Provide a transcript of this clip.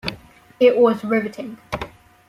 It was riveting.